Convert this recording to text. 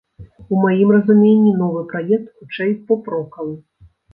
У маім разуменні, новы праект, хутчэй, поп-рокавы.